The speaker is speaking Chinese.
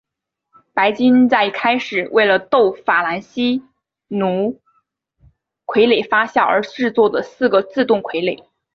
白金在一开始为了逗法兰西奴傀儡发笑而制作的四个自动傀儡。